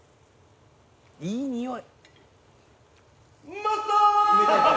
いいにおい。